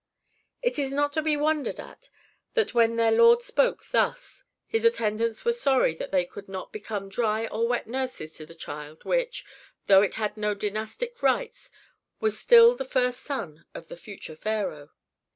It is not to be wondered at that when their lord spoke thus his attendants were sorry that they could not become dry or wet nurses to the child which, though it had no dynastic rights, was still the first son of the future pharaoh.